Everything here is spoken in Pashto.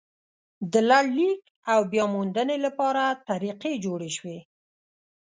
د لړلیک او بیا موندنې لپاره طریقې جوړې شوې.